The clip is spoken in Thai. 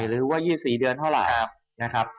หรือว่า๒๔เดือนเท่าไหร่นะครับ